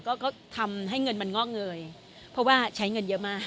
ก็ทำให้เงินมันงอกเงยเพราะว่าใช้เงินเยอะมาก